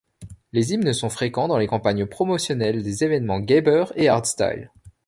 Les hymnes sont fréquents dans les campagnes promotionnelles des événements gabbers et hardstyles.